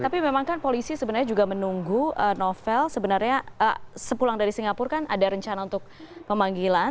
tapi memang kan polisi sebenarnya juga menunggu novel sebenarnya sepulang dari singapura kan ada rencana untuk pemanggilan